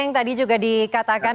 yang tadi juga dikatakan